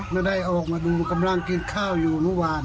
ไม่ได้เอาออกมาดูกำลังกินข้าวอยู่เมื่อวาน